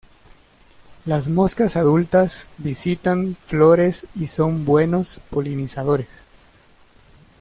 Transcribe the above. Las moscas adultas visitan flores y son buenos polinizadores.